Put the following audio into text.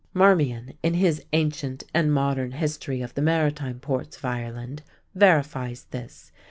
Marmion, in his Ancient and Modern History of the Maritime Ports of Ireland, verifies this.